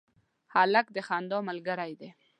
هلک د خندا ملګری دی.